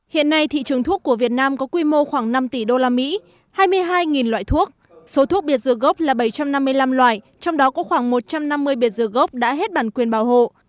hiện nay thị trường thuốc của việt nam có quy mô khoảng năm tỷ usd hai mươi hai loại thuốc số thuốc biệt dược gốc là bảy trăm năm mươi năm loại trong đó có khoảng một trăm năm mươi biệt dược gốc đã hết bản quyền bảo hộ